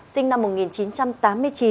sinh năm một nghìn chín trăm tám mươi chín